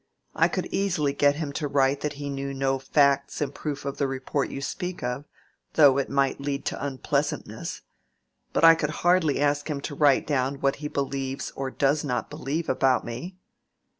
I could easily get him to write that he knew no facts in proof of the report you speak of, though it might lead to unpleasantness. But I could hardly ask him to write down what he believes or does not believe about me."